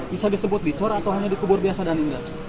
bisa disebut licor atau hanya dikubur biasa dan indah